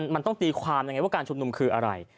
มันต้องตีความยังไงว่าการชุมนุมคืออะไร